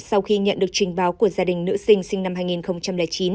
sau khi nhận được trình báo của gia đình nữ sinh năm hai nghìn chín